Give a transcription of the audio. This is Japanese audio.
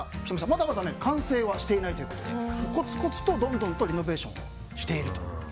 まだまだ完成はしていないということでコツコツとどんどんリノベーションしていると。